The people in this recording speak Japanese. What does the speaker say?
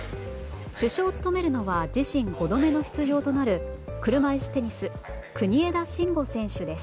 主将を務めるのは自身５度目の出場となる車いすテニス国枝慎吾選手です。